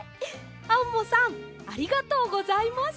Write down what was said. アンモさんありがとうございます。